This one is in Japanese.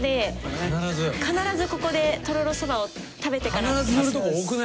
必ずここでとろろそばを食べてから。